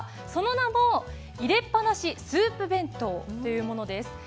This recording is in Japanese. その名も入れっぱなしスープ弁当というものです。